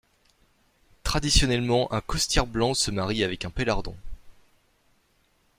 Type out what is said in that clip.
Traditionnellement un costières blanc se marie avec un pélardon.